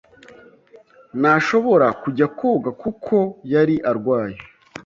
ntashobora kujya koga kuko yari arwaye.